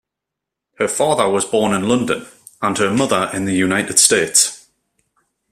Her father was born in London, and her mother in the United States.